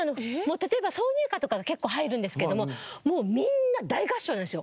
例えば挿入歌とかが結構入るんですけどももうみんな大合唱なんですよ